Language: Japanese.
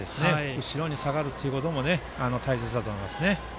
後ろに下がるということも大切だと思いますね。